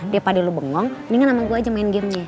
daripada lo bengong ini kan sama gue aja main gamenya